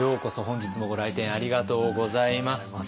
本日もご来店ありがとうございます。